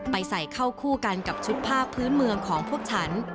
ไปใส่เข้าคู่กันกับชุดผ้าพื้นเมืองของพวกฉัน